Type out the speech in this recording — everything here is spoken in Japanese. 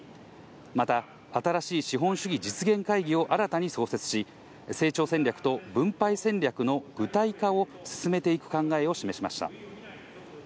また新しい資本主義実現会議を新たに創設し、成長戦略と分配戦略の具体化を進めていく考えを示しました。